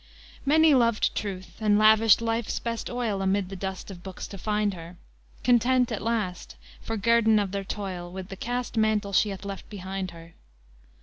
III Many loved Truth, and lavished life's best oil Amid the dust of books to find her, Content at last, for guerdon of their toil, With the cast mantle she hath left behind her.